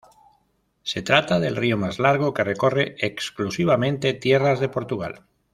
Se trata del río más largo que recorre exclusivamente tierras de Portugal.